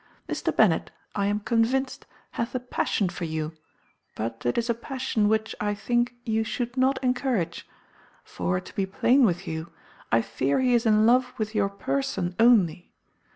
Mr. Bennet, I am convinced, hath a passion for you; but it is a passion which, I think, you should not encourage. For, to be plain with you, I fear he is in love with your person only.